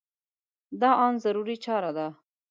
دا ان ضروري چاره ده.